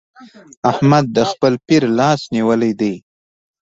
احمد د خپل پير لاس نيولی دی.